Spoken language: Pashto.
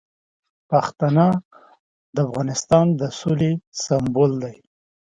پښتانه د افغانستان د سولې سمبول دي.